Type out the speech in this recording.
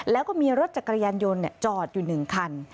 แล้วก็มีรถจักรยานยนต์จอดอยู่๑คัน